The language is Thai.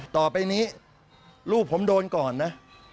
ต่อไปนี้ลูกผมโดนก่อนนะ